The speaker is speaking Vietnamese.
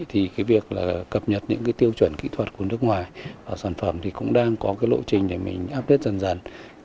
thì việc cập nhật những tiêu chuẩn kỹ thuật của nước ngoài và sản phẩm cũng đang có lộ trình để mình update dần dần